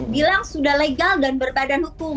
bilang sudah legal dan berbadan hukum